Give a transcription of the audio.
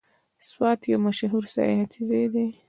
سوات یو مشهور سیاحتي ځای دی.